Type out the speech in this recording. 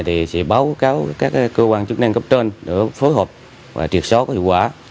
thì sẽ báo cáo các cơ quan chức năng cấp trên để phối hợp và triệt số có hiệu quả